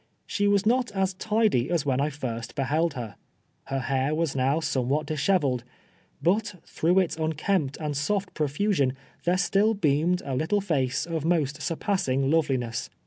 She Avas iii)t as tidy as when I iirst beheld her; her hair was now somewhat disheveled ; hnt throuii'h its unkempt and soft profusion there still beamed a little face of most surpassini; loveliness.